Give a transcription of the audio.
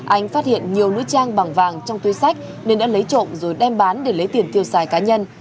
anh phát hiện nhiều nữ trang bằng vàng trong túi sách nên đã lấy trộm rồi đem bán để lấy tiền tiêu xài cá nhân